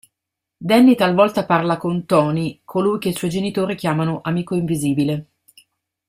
Danny talvolta parla con "Tony", colui che i suoi genitori chiamano "amico invisibile".